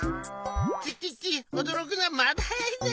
チッチッチッおどろくのはまだはやいぜ。